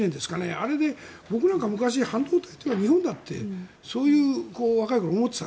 あれで僕なんか昔、半導体といえば日本だってそういう若い頃、思っていた。